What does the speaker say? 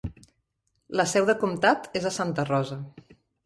La seu de comtat és a Santa Rosa.